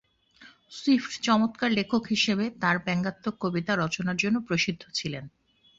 Swift চমৎকার লেখক হিসেবে তার ব্যাঙ্গাত্মক-কবিতা রচনার জন্যে প্রসিদ্ধ ছিলেন।